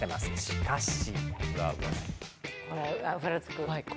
しかし。